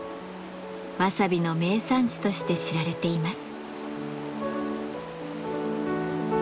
わさびの名産地として知られています。